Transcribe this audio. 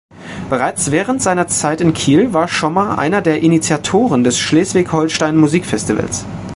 Bereits während seiner Zeit in Kiel war Schommer einer der Initiatoren des Schleswig-Holstein-Musikfestivals.